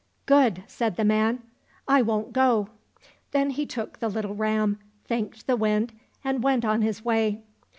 —" Good," said the man, " I won't go." — Then he took the little ram, thanked the Wind, and went on his way.